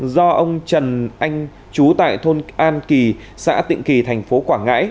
do ông trần anh trú tại thôn an kỳ xã tịnh kỳ tp quảng ngãi